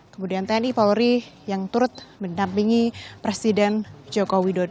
kemudian tni polri yang turut mendampingi presiden joko widodo